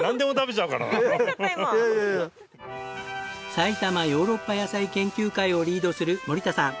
さいたまヨーロッパ野菜研究会をリードする森田さん。